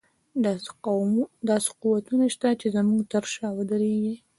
داسې قوتونه شته چې زموږ تر شا ودرېږي.